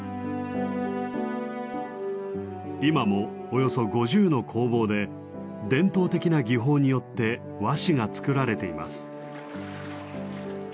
今もおよそ５０の工房で伝統的な技法によって和紙が作られています。